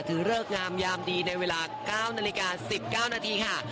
เริกงามยามดีในเวลา๙นาฬิกา๑๙นาทีค่ะ